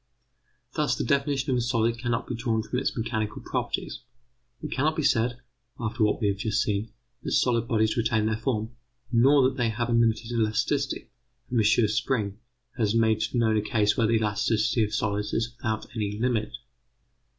Thus the definition of a solid cannot be drawn from its mechanical properties. It cannot be said, after what we have just seen, that solid bodies retain their form, nor that they have a limited elasticity, for M. Spring has made known a case where the elasticity of solids is without any limit.